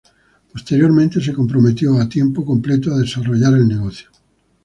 Posteriormente, se comprometió, a tiempo completo, a desarrollar el negocio.